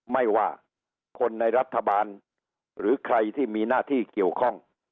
ไม่ว่าคนในรัฐบาลหรือใครที่มีหน้าที่เกี่ยวข้อง